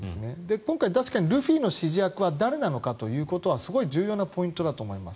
今回、確かにルフィという指示役は誰なのかということはすごく重要なポイントだと思います。